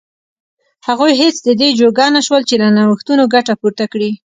هغوی هېڅ د دې جوګه نه شول چې له نوښتونو ګټه پورته کړي.